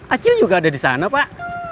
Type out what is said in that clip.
acil juga ada disana pak